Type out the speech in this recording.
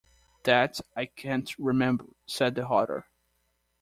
‘That I can’t remember,’ said the Hatter.